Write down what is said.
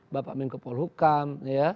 bapak menko polhukam